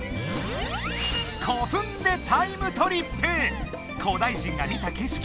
古墳でタイムトリップ！